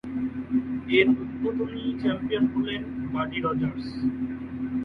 এর উদ্বোধনী চ্যাম্পিয়ন হলেন বাডি রজার্স।